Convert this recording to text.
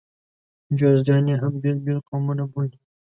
جوزجاني هم بېل بېل قومونه بولي.